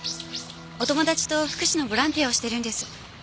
お友達と福祉のボランティアをしてるんです。